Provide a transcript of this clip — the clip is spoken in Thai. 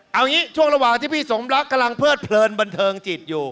เอางี้ช่วงระหว่างที่พี่สมรักกำลังเพิดเพลินบันเทิงจิตอยู่